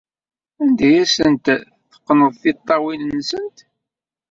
Anda ay asent-teqqneḍ tiṭṭawin-nsent?